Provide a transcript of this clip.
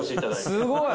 すごい。